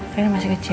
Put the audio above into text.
rena masih kecil